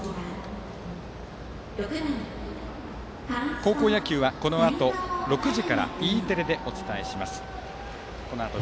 高校野球はこのあと６時からＥテレでお伝えします。